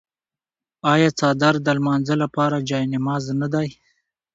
آیا څادر د لمانځه لپاره جای نماز نه دی؟